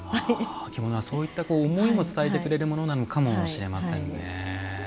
着物は思いも伝えてくれるものなのかもしれませんね。